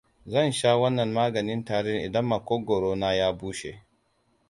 Zan sha wannan maganin tarin idan maƙogwaro na ya bushe.